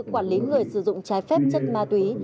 quản lý người sử dụng trái phép chất ma túy